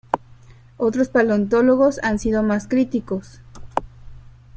Otros paleontólogos han sido más críticos.